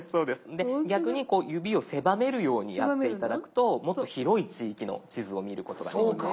で逆に指を狭めるようにやって頂くともっと広い地域の地図を見ることができます。